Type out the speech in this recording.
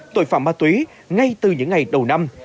tội phạm ma túy ngay từ những ngày đầu năm